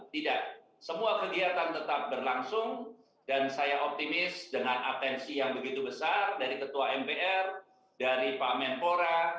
tidak semua kegiatan tetap berlangsung dan saya optimis dengan atensi yang begitu besar dari ketua mpr dari pak menpora